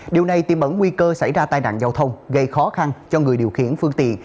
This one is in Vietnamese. điều này tiêm bẩn nguy cơ xảy ra tai nạn giao thông gây khó khăn cho người điều khiển phương tiện